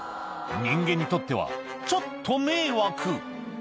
人間にとっては、ちょっと迷惑。